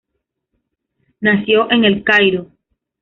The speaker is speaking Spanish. Nació en El Cairo.